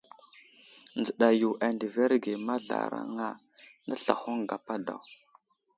Nzəɗa yo andəverge mazlaraŋa, nəslahoŋ gapa daw.